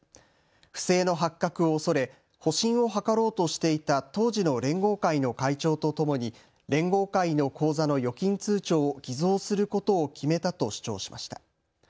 不正の発覚を恐れ保身を図ろうとしていた当時の連合会の会長とともに連合会の口座の預金通帳を偽造することを決めたと主張しました。